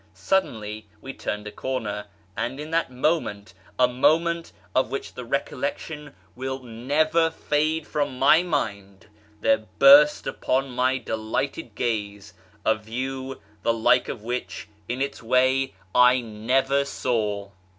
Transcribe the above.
Suddenly we turned a corner, and in that moment — a moment of which the recollection will never fade from my mind — there burst upon my delighted gaze a view the like of which (in its way) I never saw.